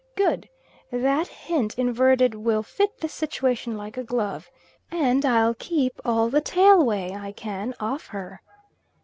Good! that hint inverted will fit this situation like a glove, and I'll keep all the tailway I can off her.